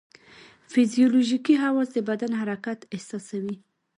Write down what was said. فزیولوژیکي حواس د بدن حرکت احساسوي.